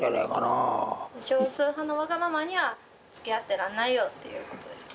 少数派のわがままにはつきあってらんないよっていうことですか。